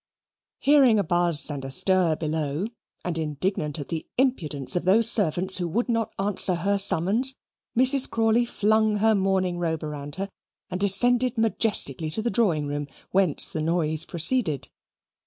Hearing a buzz and a stir below, and indignant at the impudence of those servants who would not answer her summons, Mrs. Crawley flung her morning robe round her and descended majestically to the drawing room, whence the noise proceeded.